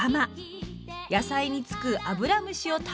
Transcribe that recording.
野菜につくアブラムシを食べてくれます。